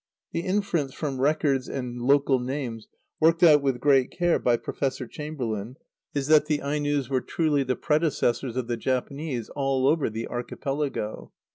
The inference from records and local names, worked out with great care by Professor Chamberlain, is "that the Ainos were truly the predecessors of the Japanese all over the Archipelago.